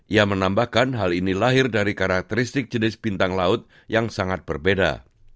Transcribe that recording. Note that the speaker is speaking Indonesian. ia menambahkan hal ini lahir dari karakteristik jenis bintang laut yang sangat berbeda